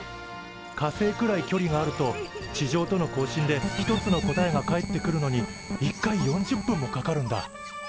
火星くらい距離があると地上との交信で１つの答えが返ってくるのに１回４０分もかかるんだ。